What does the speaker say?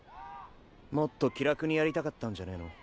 もっと気楽にやりたかったんじゃねぇの？